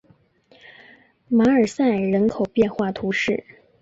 马尔赛人口变化图示